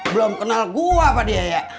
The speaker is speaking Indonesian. belum kenal gua pak diyaya